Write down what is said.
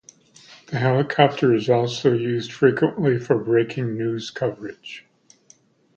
The helicopter is also used frequently for breaking news coverage.